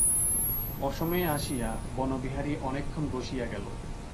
অসময়ে আসিয়া বনবিহারী অনেকক্ষণ বসিয়া গেল।